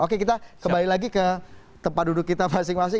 oke kita kembali lagi ke tempat duduk kita masing masing